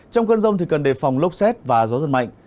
trong khuôn rông thì cần đề phòng lốc xét và gió giật mạnh